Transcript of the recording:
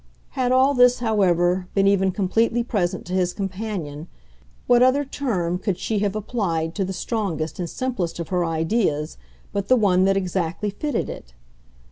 Had all this, however, been even completely present to his companion, what other term could she have applied to the strongest and simplest of her ideas but the one that exactly fitted it?